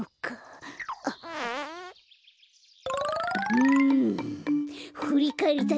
うんふりかえりたいよ